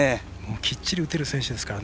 きっちり打てる選手ですから。